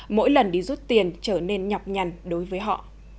mỗi lần đi rút tiền trở nên nhọc nhằn đối với họ